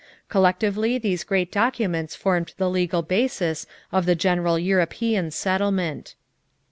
Collectively these great documents formed the legal basis of the general European settlement.